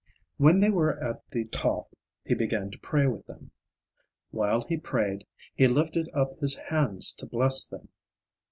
When they were at the top he began to pray with them. While he prayed, he lifted up his hands to bless them.